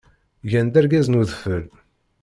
Gan-d argaz n udfel.